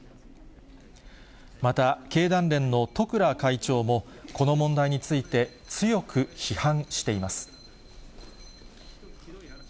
また、経団連の十倉会長も、この問題について強く批判しています。